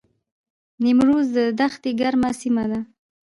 نیمروز د دښتې ګرمه سیمه ده